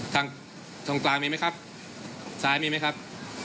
ทางตรงตลางมีมั้ยครับซ้ายมีมั้ยครับ